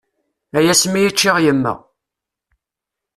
Ay asmi i ččiɣ yemma!